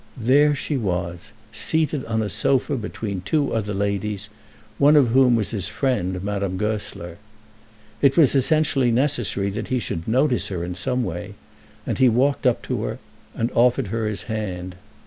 There she was, seated on a sofa between two other ladies, of whom one was his friend, Madame Goesler. It was essentially necessary that he should notice her in some way, and he walked up to her, and offered her his hand.